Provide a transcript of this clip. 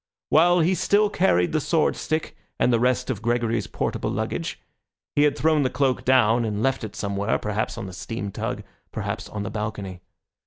While he still carried the sword stick and the rest of Gregory's portable luggage, he had thrown the cloak down and left it somewhere, perhaps on the steam tug, perhaps on the balcony.